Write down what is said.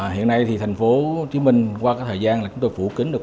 hiện nay thì thành phố chí minh qua các thời gian là chúng tôi phủ kín được